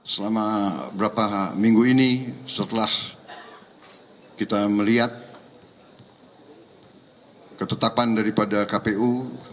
selama berapa minggu ini setelah kita melihat ketetapan daripada kpu